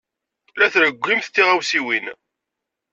La trewwimt tiɣawsiwin.